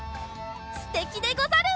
すてきでござる！